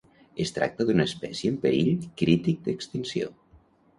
Es tracta d'una espècie en perill crític d'extinció.